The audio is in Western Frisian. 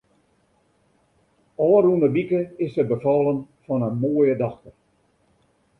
Ofrûne wike is se befallen fan in moaie dochter.